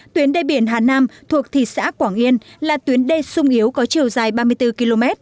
tuyến đê biển hà nam thuộc thị xã quảng yên là tuyến đê sung yếu có chiều dài ba mươi bốn km